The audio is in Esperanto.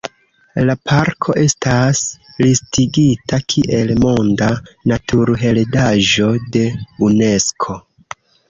La parko estas listigita kiel Monda Naturheredaĵo de Unesko.